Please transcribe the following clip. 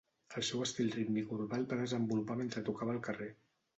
El seu estil rítmic urbà el va desenvolupar mentre tocava al carrer.